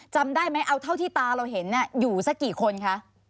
จำได้ไหมเอาเท่าที่ตาเราเห็นอยู่สักกี่คนคะ